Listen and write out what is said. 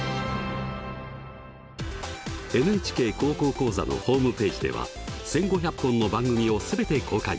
「ＮＨＫ高校講座」のホームページでは１，５００本の番組を全て公開。